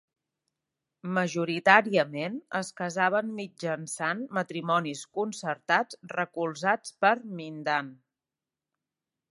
Majoritàriament, es casaven mitjançant matrimonis concertats recolzats per Mindan.